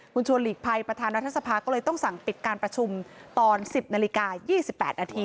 คุณชวนหลีกภัยประธานรัฐสภาก็เลยต้องสั่งปิดการประชุมตอน๑๐นาฬิกา๒๘นาที